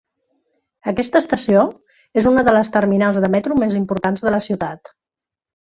Aquesta estació és una de les terminals de metro més importants de la ciutat.